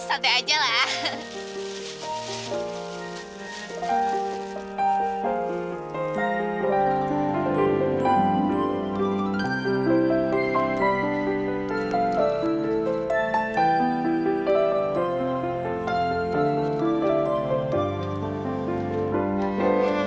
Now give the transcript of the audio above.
sate aja lah